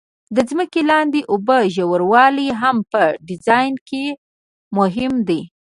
د ځمکې لاندې اوبو ژوروالی هم په ډیزاین کې مهم دی